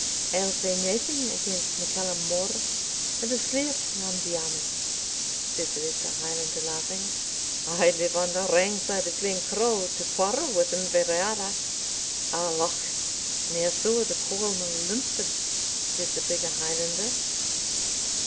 "I'll sae naething against MacCallum More and the Slioch nan Diarmid," said the lesser Highlander, laughing. "I live on the wrang side of Glencroe to quarrel with Inverara." "Our loch ne'er saw the Cawmil lymphads," * said the bigger Highlander.